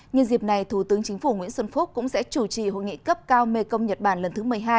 nhân dịp này thủ tướng chính phủ nguyễn xuân phúc cũng sẽ chủ trì hội nghị cấp cao mekong nhật bản lần thứ một mươi hai